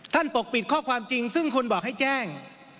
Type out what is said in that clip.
ปกปิดข้อความจริงซึ่งคนบอกให้แจ้ง